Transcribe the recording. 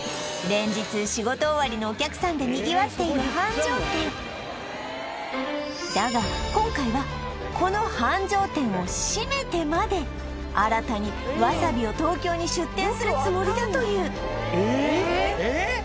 連日仕事終わりのお客さんでにぎわっているだが今回はこの繁盛店を閉めてまで新たにわさびを東京に出店するつもりだというえええっ？